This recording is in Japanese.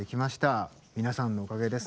皆さんのおかげです。